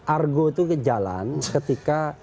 argo itu jalan ketika